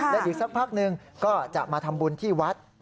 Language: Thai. และอีกสักพักหนึ่งก็จะมาทำบุญที่วัด